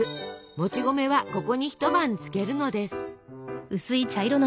もち米はここに一晩つけるのです。